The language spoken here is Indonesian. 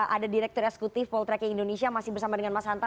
ada direktur eksekutif poltreking indonesia masih bersama dengan mas hanta